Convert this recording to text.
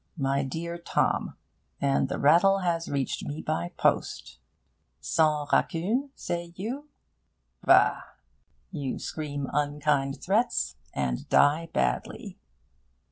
my dear Tom: and the rattle has reached me by post. Sans rancune, say you? Bah! you scream unkind threats and die badly...'